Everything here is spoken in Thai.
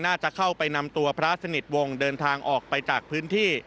น่าจะเข้าไปนำตัวพระสนิทวงศ์เดินทางออกไปจากพื้นที่